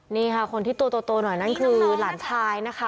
นี่ค่ะคนที่ตัวโตหน่อยนั่นคือหลานชายนะคะ